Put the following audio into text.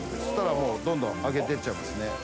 したらもうどんどん上げてっちゃいますね。